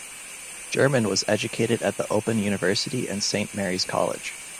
German was educated at the Open University and Saint Mary's College.